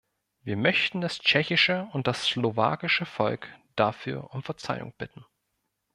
Wir möchten das tschechische und das slowakische Volk dafür um Verzeihung bitten.